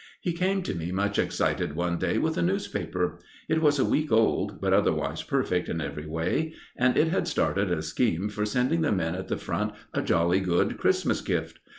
He came to me much excited one day with a newspaper. It was a week old, but otherwise perfect in every way, and it had started a scheme for sending the men at the Front a jolly good Christmas gift.